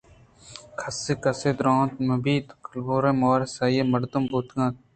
کسّ کسّی درور نہ بیت کہبور مورساری ءَ مردم بُوتگ اَنت